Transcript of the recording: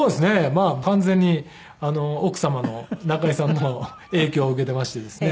まあ完全に奥様の中井さんの影響を受けていましてですね。